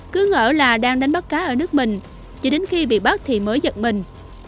cứ ngỡ là đang đánh bắt cá ở nước mình chỉ đến khi bị bắt thì mới giật mình